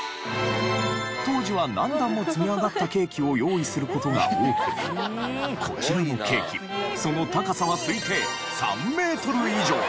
当時は何段も積み上がったケーキを用意する事が多くこちらのケーキその高さは推定３メートル以上。